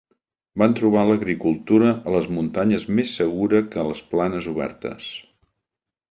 Van trobar l'agricultura a les muntanyes més segura que a les planes obertes.